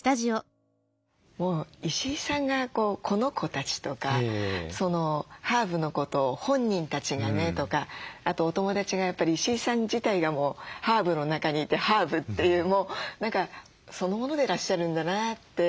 もう石井さんが「この子たち」とかハーブのことを「本人たちがね」とかあとお友達がやっぱり「石井さん自体がハーブの中にいてハーブ」っていうもう何かそのものでいらっしゃるんだなって。